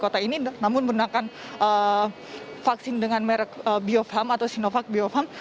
kota ini namun menggunakan vaksin dengan merek biofarm atau sinovac biofarm